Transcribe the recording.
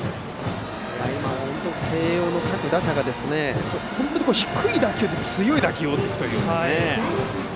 今、慶応の各打者が本当に低い打球で強い打球を打っていきますね。